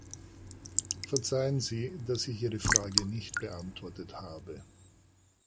Verzeihen Sie, dass ich Ihre Frage nicht beantwortet habe.